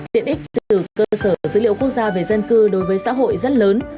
tiện ích từ cơ sở dữ liệu quốc gia về dân cư đối với xã hội rất lớn